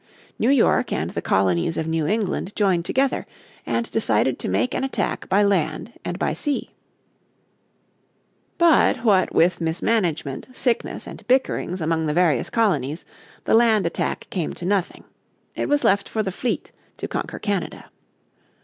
New York and the colonies of New England joined together and decided to make an attack by land and by sea. The British determined to attack Canada But what, with mismanagement, sickness, and bickerings among the various colonies, the land attack came to nothing. It was left for the fleet to conquer Canada.